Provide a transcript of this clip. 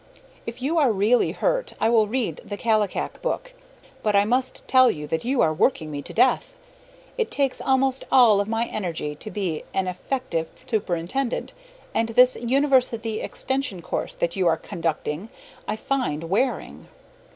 If you are really hurt, I will read the Kallikak book; but I must tell you that you are working me to death. It takes almost all of my energy to be an effective superintendent, and this university extension course that you are conducting I find wearing.